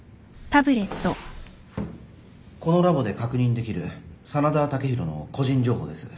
このラボで確認できる真田雄大の個人情報です。